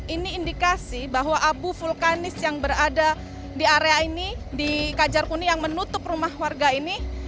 ini indikasi bahwa abu vulkanis yang berada di area ini di kajar kuning yang menutup rumah warga ini